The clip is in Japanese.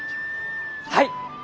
はい！